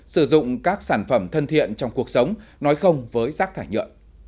sử dụng các sản phẩm thân thiện trong cuộc sống nói không với rác thải nhựa